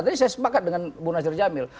tadi saya sepakat dengan bu nasir jamil